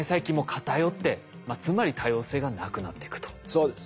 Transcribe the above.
そうです。